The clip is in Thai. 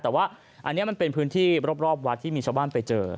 แต่ว่าอันนี้มันเป็นพื้นที่รอบวัดที่มีชาวบ้านไปเจอ